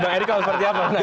bang ericko seperti apa